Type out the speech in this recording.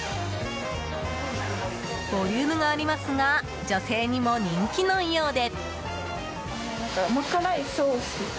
ボリュームがありますが女性にも人気のようで。